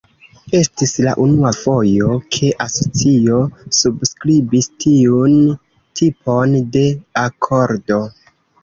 Estis la unua fojo, ke asocio subskribis tiun tipon de akordo.